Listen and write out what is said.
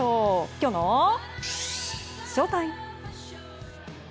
きょうのＳＨＯＴＩＭＥ。